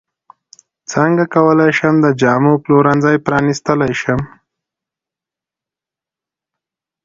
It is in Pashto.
څنګه کولی شم د جامو پلورنځی پرانستلی شم